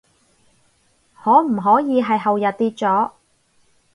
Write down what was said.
可唔可以係後天跌咗？